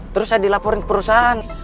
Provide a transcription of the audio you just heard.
terus saya dilaporin ke perusahaan